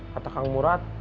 kata kang murad